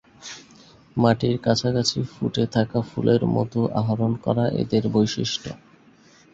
মাটির কাছাকাছি ফুটে থাকা ফুলের মধু আহরণ করা এদের বৈশিষ্ট্য।